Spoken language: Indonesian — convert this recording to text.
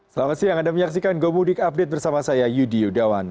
selamat siang anda menyaksikan gomudik update bersama saya yudi yudawan